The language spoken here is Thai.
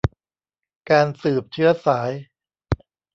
การสืบเชื้อสาย